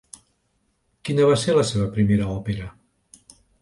Quina va ser la seva primera òpera?